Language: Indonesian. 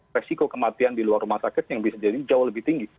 resiko kematian di luar rumah sakit yang bisa jadi jauh lebih tinggi